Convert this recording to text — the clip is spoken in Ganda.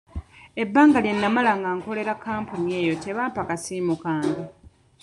Ebbanga lye namala nga nkolera kampuni eyo tebampa kasiimo kange.